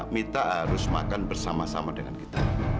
kita harus makan bersama sama dengan kita